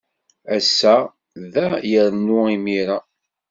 Ass-a, da yernu imir-a.